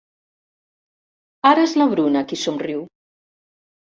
Ara és la Bruna, qui somriu.